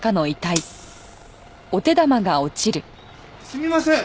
すみません。